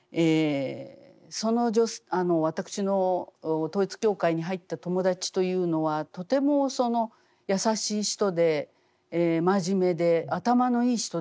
その私の統一教会に入った友達というのはとてもやさしい人で真面目で頭のいい人でした。